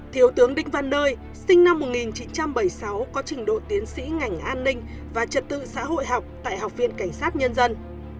thiếu tướng đinh văn nơi sinh năm một nghìn chín trăm bảy mươi sáu có trình độ tiến sĩ ngành an ninh và trật tự xã hội học tại học viện cảnh sát nhân dân